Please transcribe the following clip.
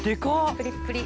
プリップリ。